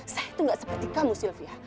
saya itu nggak seperti kamu sylvia